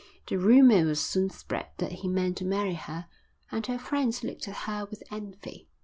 The rumour was soon spread that he meant to marry her and her friends looked at her with envy.